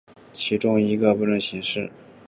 其中一些部分以补丁的形式提供。